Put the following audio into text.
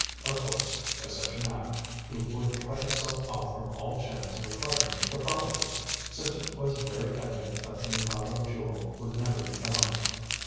Of course, by such an act, he would cut himself off from all chance of acquiring the property, since it was very evident that the Mikado Jewel would never be found.